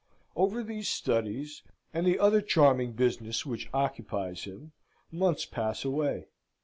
Over these studies, and the other charming business which occupies him, months pass away.